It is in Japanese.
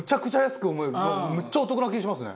むっちゃお得な気がしますね。